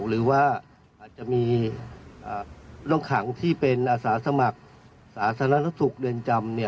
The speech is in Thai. หรือว่าอาจจะมีต้องขังที่เป็นอาสาสมัครสาธารณสุขเรือนจำ